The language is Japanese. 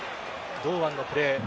堂安のプレー。